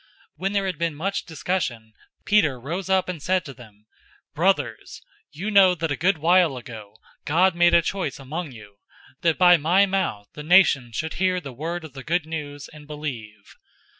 015:007 When there had been much discussion, Peter rose up and said to them, "Brothers, you know that a good while ago God made a choice among you, that by my mouth the nations should hear the word of the Good News, and believe.